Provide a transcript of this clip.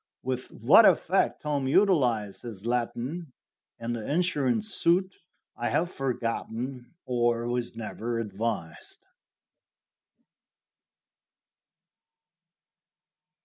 With what effect Tom utilized his Latin in the insurance suit I have forgotten, or was never advised.